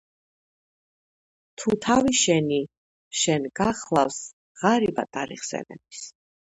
თუ თავი შენი შენ გახლავს, ღარიბად არ იხსენების